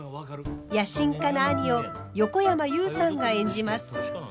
野心家な兄を横山裕さんが演じます。